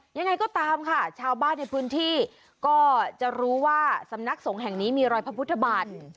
ยังไงก็ตามค่ะชาวบ้านในพื้นที่ก็จะรู้ว่าสำนักสงฆ์แห่งนี้มีรอยพระพุทธบาท